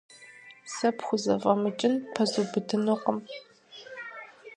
Сэ пхузэфӀэмыкӀын ппэзубыдынукъым.